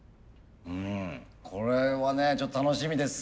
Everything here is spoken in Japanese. うんこれはねちょっと楽しみです。